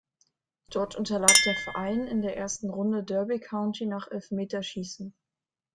Dort unterlag der Verein in der ersten Runde Derby County nach Elfmeterschießen.